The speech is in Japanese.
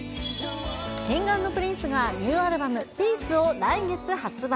Ｋｉｎｇ＆Ｐｒｉｎｃｅがニューアルバム、ピースを来月発売。